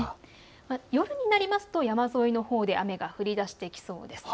夜になりますと山沿いのほうで雨が降りだしてきそうです。